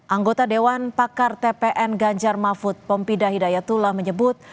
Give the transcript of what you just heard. anggota dewan pakar tpn ganjar mahfud pompida hidayatullah menyebut